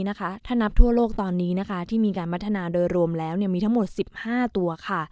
ถ้านับทั่วโลกตอนนี้นะคะที่มีการพัฒนาโดยรวมแล้วมีทั้งหมด๑๕ตัวค่ะ